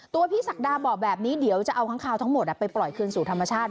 พี่ศักดาบอกแบบนี้เดี๋ยวจะเอาค้างคาวทั้งหมดไปปล่อยคืนสู่ธรรมชาติ